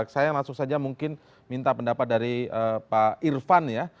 saya langsung saja mungkin minta pendapat dari pak irfan ya